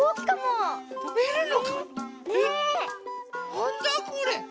なんだこれ？